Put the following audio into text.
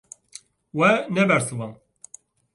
We nebersivand.